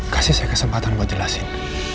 kasih saya kesempatan buat jelasin